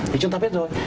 vì chúng ta biết rồi